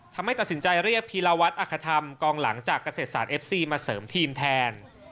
ทำให้ตัดสินใจเรียกพีรวัตรอคธรรมกองหลังจากเกษตรศาสตร์เอฟซีมาเสริมทีมแทน